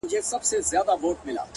هغې ويل اور”